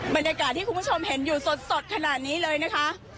บรรยากาศที่คุณผู้ชมเห็นอยู่สดขนาดนี้เลยนะคะ